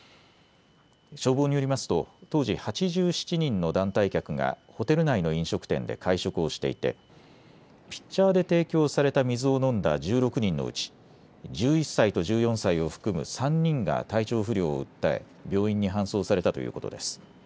消防によりますと当時８７人の団体客がホテル内の飲食店で会食をしていてピッチャーで提供された水を飲んだ１６人のうち１１歳と１４歳を含む３人が体調不良を訴え病院に搬送されたということです。